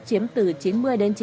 chiếm từ chín mươi đến chín mươi năm